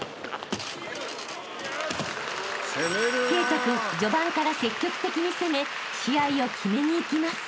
［慧登君序盤から積極的に攻め試合を決めにいきます］